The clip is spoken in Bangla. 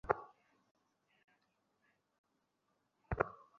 কারা হত্যাকাণ্ডে জড়িত এবং হত্যার কারণ সম্পর্কে কোনো তথ্য পাওয়া যায়নি।